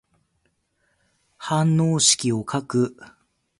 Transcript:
反応式を書く。